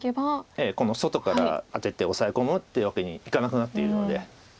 ええ外からアテてオサエ込むってわけにいかなくなっているので。